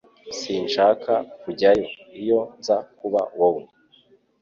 Sinshaka kujyayo iyo nza kuba wowe